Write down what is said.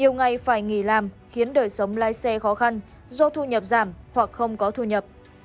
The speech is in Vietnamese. nhiều ngày phải nghỉ làm khiến đời sống lái xe khó khăn do thu nhập giảm hoặc không có thu nhập